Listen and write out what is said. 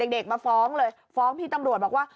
เด็กมาฟ้องเลยฟ้องพี่ตำรวจบอกว่า